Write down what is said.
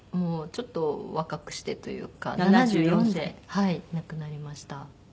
ちょっと若くしてというか７４で亡くなりました。